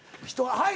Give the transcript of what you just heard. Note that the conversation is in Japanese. はい。